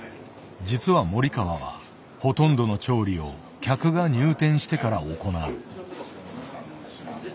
実は森川はほとんどの調理を客が入店してから行う。